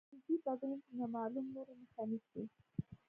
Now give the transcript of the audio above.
تدریجي بدلون د نامعلوم لوري مخه نیسي.